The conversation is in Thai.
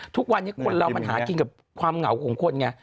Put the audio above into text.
ทุกวันนี้คนมาหาคิดกับความเหงากับของคนไง